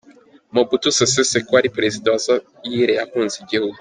Mobutu Sese Seko, wari perezida wa Zaire yahunze igihugu.